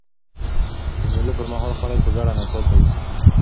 د مېلو پر مهال خلک په ګډه نڅا کوي.